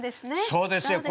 そうですよ。